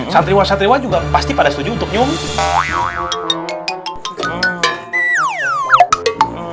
santriwan santriwan juga pasti pada setuju untuk nyum